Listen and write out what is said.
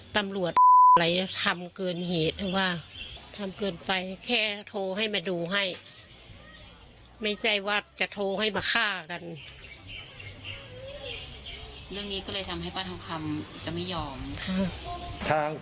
ตำรวจอะไรทำเกินเหตุว่า